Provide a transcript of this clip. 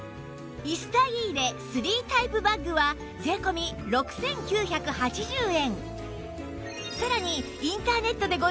イスタイーレ３タイプバッグは税込６９８０円